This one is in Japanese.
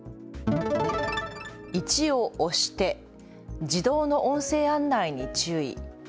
１を押して自動の音声案内に注意。